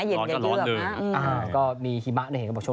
เย็นเย็นเยือน